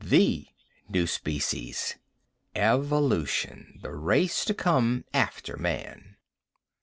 The new species. Evolution. The race to come after man."